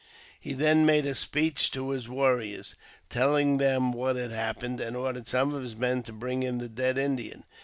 He then made a speech to his warriors, telling them what had happened, and ordered some of his men to bring in the dead Indian.